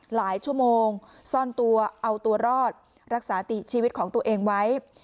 หลายชั่วโมงซ่อนตัวเอาตัวรอดรักษาติชีวิตของตัวเองไว้